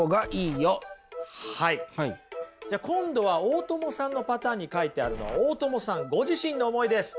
じゃあ今度は大友さんのパターンに書いてあるのは大友さんご自身の思いです。